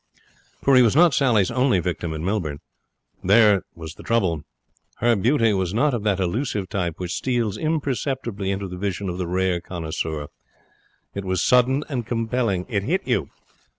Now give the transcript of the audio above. For he was not Sally's only victim in Millbourne. That was the trouble. Her beauty was not of that elusive type which steals imperceptibly into the vision of the rare connoisseur. It was sudden and compelling. It hit you.